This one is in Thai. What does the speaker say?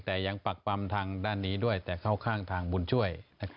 แต่ยังปักปำทางด้านนี้ด้วยแต่เข้าข้างทางบุญช่วย